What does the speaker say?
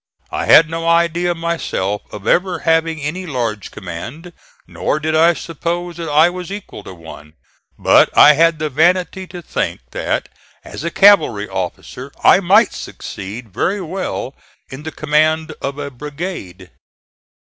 I had no idea, myself, of ever having any large command, nor did I suppose that I was equal to one; but I had the vanity to think that as a cavalry officer I might succeed very well in the command of a brigade.